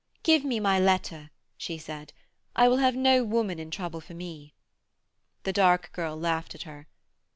'Give me my letter,' she said; 'I will have no woman in trouble for me.' The dark girl laughed at her.